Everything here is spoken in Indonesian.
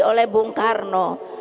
oleh bung karno